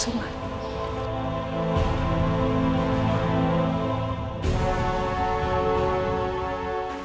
kamu sudah bangun